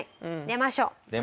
出ましょう。